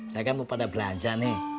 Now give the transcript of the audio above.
saya kan mau pada belanja nih